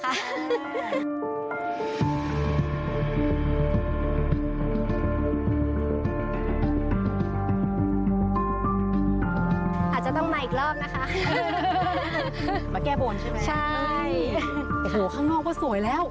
ค่ะมาแก้โบนใช่ไหมใช่โอ้โหข้างนอกก็สวยแล้ว